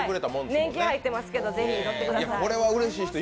年季入ってますけどぜひ乗ってください。